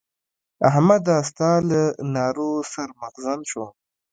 احمده! ستا له نارو سر مغزن شوم.